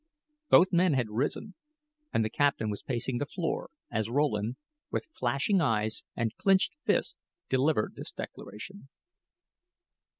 Both men had risen and the captain was pacing the floor as Rowland, with flashing eyes and clinched fists, delivered this declaration.